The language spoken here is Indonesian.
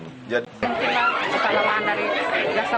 nggak ada juga